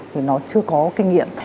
thì nó chưa có kinh nghiệm